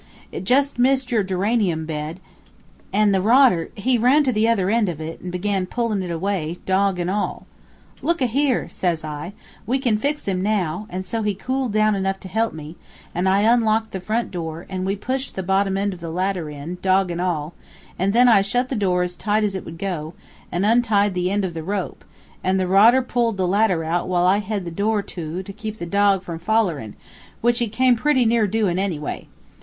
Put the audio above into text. It just missed your geranium bed, and the rodder, he ran to the other end of it, and began pullin' it away, dog an' all. 'Look a here,' says I, 'we can fix him now; and so he cooled down enough to help me, and I unlocked the front door, and we pushed the bottom end of the ladder in, dog and all; an' then I shut the door as tight as it would go, an' untied the end of the rope, an' the rodder pulled the ladder out while I held the door to keep the dog from follerin', which he came pretty near doin', anyway.